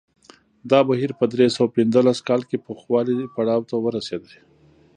دا بهیر په درې سوه پنځلس کال کې پوخوالي پړاو ته ورسېد